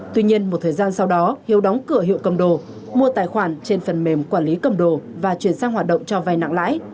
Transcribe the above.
tuy nhiên một thời gian sau đó hiếu đóng cửa hiệu cầm đồ mua tài khoản trên phần mềm quản lý cầm đồ và chuyển sang hoạt động cho vai nặng lãi